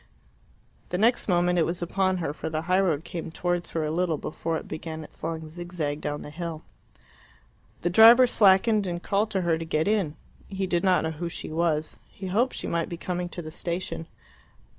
The next moment it was upon her, for the highroad came towards her a little before it began its long zigzag down the hill. The driver slackened, and called to her to get in. He did not know who she was. He hoped she might be coming to the station.